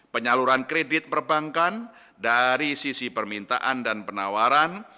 penyaluran kredit perbankan dari sisi permintaan dan penawaran